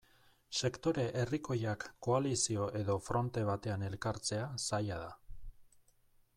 Sektore herrikoiak koalizio edo fronte batean elkartzea zaila da.